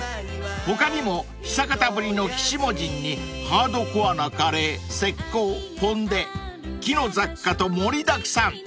［他にも久方ぶりの鬼子母神にハードコアなカレー石こうぽんで木の雑貨と盛りだくさん］